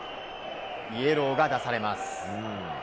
イエローが出されます。